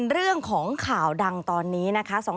เรื่องของข่าวดังตอนนี้นะคะ